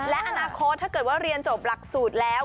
และอนาคตถ้าเกิดว่าเรียนจบหลักสูตรแล้ว